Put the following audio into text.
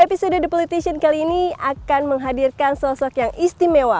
episode the politician kali ini akan menghadirkan sosok yang istimewa